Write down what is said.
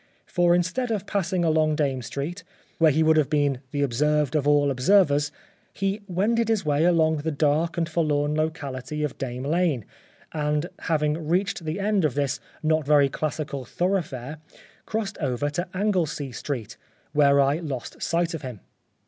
For, instead of passing along Dame Street, where he would have been " the observed of all observers," he wended his way along the dark and forlorn locality of Dame Lane, and having reached the end of this not very classical thoroughfare, crossed over to Anglesea Street, where I lost sight of him.